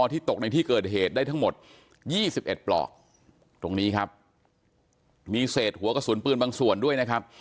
ที่ตกในที่เกิดเหตุได้ทั้งหมด๒๑ปลอกตรงนี้ครับมีเศษหัวกระสุนปืนบางส่วนด้วยนะครับ